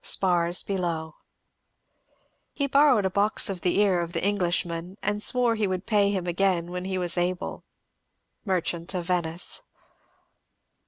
Chapter XII He borrowed a box of the ear of the Englishman, and swore he would pay him again when he was able. Merchant of Venice.